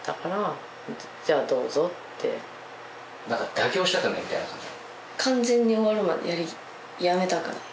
妥協したくないみたいな感じ？